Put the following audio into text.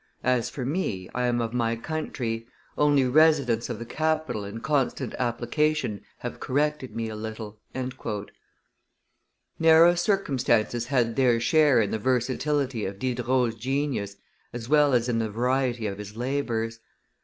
As for me, I am of my country; only residence of the capital and constant application have corrected me a little." [Illustration: Diderot 314] Narrow circumstances had their share in the versatility of Diderot's genius as well as in the variety of his labors.